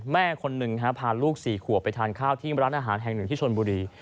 แม่คนหนึ่งพาลูก๔ขวบไปทานข้าวที่ร้านอาหารแห่งหนึ่งที่ชนบุรี